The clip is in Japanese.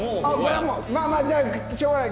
まあまあじゃあしょうがない。